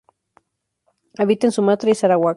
Habita en Sumatra y Sarawak.